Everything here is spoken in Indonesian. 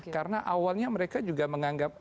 karena awalnya mereka juga menganggap